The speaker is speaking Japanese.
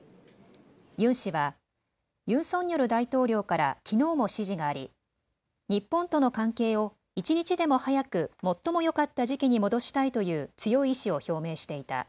ユン氏はユン・ソンニョル大統領からきのうも指示があり日本との関係を一日でも早く最もよかった時期に戻したいという強い意志を表明していた。